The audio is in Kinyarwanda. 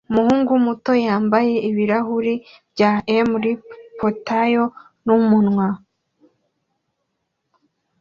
Umuhungu muto yambaye ibirahuri bya Mr Potao numunwa